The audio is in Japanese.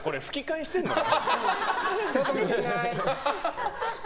そうかもしれない。